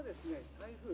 台風